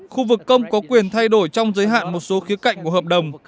khu vực công có quyền thay đổi trong giới hạn một số khía cạnh của hợp đồng